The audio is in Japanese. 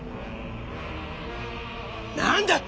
何だって！？